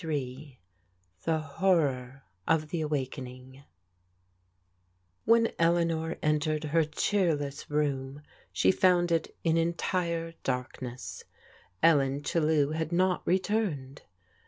«0f II THE HORROR OF THE AWAKENING WHEN Eleaiior entered her dieericss room she found it in entire darkness^ EDcn Chdkw had not returned.